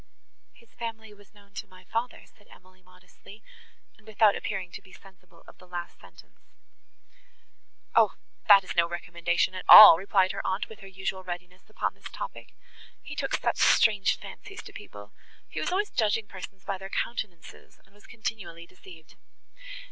"His family was known to my father," said Emily modestly, and without appearing to be sensible of the last sentence. "O! that is no recommendation at all," replied her aunt, with her usual readiness upon this topic; "he took such strange fancies to people! He was always judging persons by their countenances, and was continually deceived."